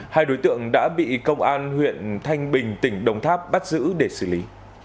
hai đối tượng đã bị công an huyện thanh bình tỉnh đồng tháp bắt giữ để xử lý